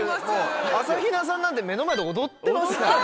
朝日奈さんなんて目の前で踊ってますからね。